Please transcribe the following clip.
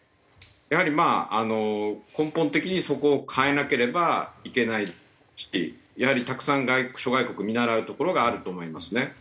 やはり根本的にそこを変えなければいけないしやはりたくさん諸外国を見習うところがあると思いますね。